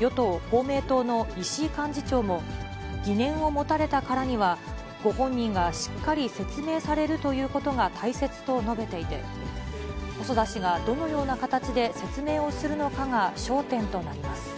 与党・公明党の石井幹事長も、疑念を持たれたからには、ご本人がしっかり説明されるということが大切と述べていて、細田氏がどのような形で説明をするのかが焦点となります。